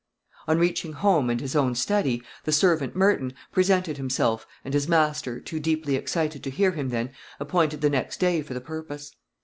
On reaching home and his own study, the servant, Merton, presented himself, and his master, too deeply excited to hear him then, appointed the next day for the purpose.